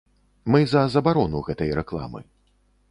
Мы за забарону гэтай рэкламы.